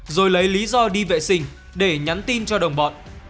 rồi lấy lý do đi vệ sinh để nhắn tin cho đồng bọn